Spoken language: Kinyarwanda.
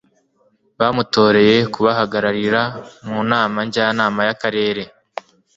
bamutoreye kubahagararira mu Nama Njyanama y'akarere